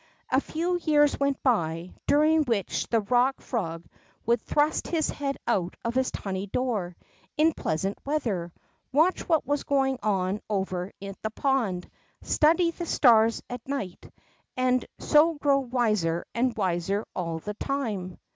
A few years went by, during which the Rock Frog would thrust his head out of his tiny door in pleasant weather, watch what was going on over at tlie pond, study the stars at night, and so grow wiser and wiser all the time.